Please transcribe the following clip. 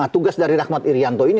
tugas dari rahmat irianto ini